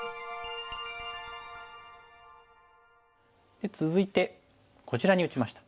で続いてこちらに打ちました。